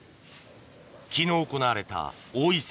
昨日行われた王位戦